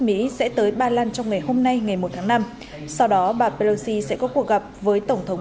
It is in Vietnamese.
mỹ sẽ tới ba lan trong ngày hôm nay ngày một tháng năm sau đó bà pelosi sẽ có cuộc gặp với tổng thống